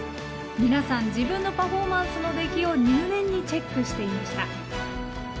皆さん自分のパフォーマンスの出来を入念にチェックしていました。